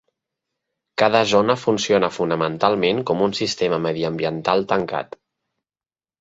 Cada zona funciona fonamentalment com un sistema mediambiental tancat.